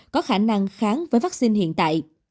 có khả năng kháng với vaccine hiện tại